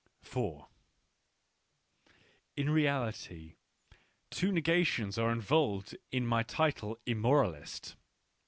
In reality two negations are involved in my title Immoralist.